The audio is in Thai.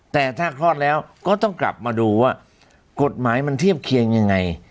แต่ถ้าคลอดแล้วก็ต้องกลับมาดูว่ากฎหมายมันเทียบเคียงยังไง